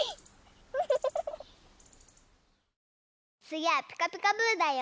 つぎは「ピカピカブ！」だよ。